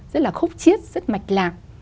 rất là khúc chiết rất mạch lạc